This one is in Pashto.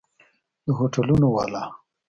د هوټلونو والا!